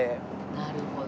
なるほどね。